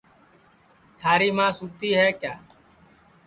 تھاری ماں سُتی ہے کیا